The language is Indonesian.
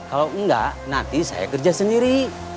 kalau enggak nanti saya kerja sendiri